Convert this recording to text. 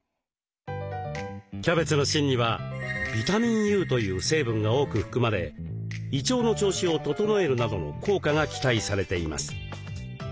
キャベツの芯にはビタミンＵという成分が多く含まれ胃腸の調子を整えるなどの効果が期待されています。